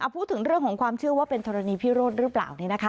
พูดถึงเรื่องของความเชื่อว่าเป็นธรณีพิโรธหรือเปล่า